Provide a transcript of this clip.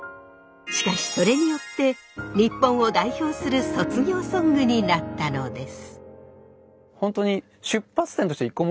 しかしそれによって日本を代表する卒業ソングになったのです。